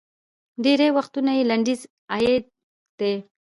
ډېری وختونه یې لنډیز اېب دی